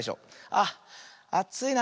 あっあついな。